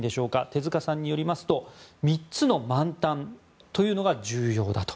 手塚さんによりますと３つの満タンというのが重要と。